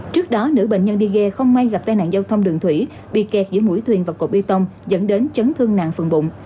trước đó nữ bệnh nhân đi ghe không may gặp tai nạn giao thông đường thủy bị kẹt giữa mũi thuyền và cột bê tông dẫn đến chấn thương nặng phần bụng